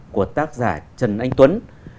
của tác giả trần anh tuấn